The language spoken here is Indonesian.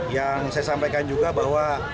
yang saya sampaikan juga bahwa